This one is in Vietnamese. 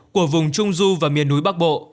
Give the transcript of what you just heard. của vùng trung du và miền núi bắc bộ